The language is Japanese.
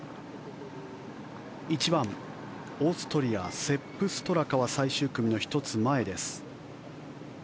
１番、オーストリアセップ・ストラカは最終組の１つ前です。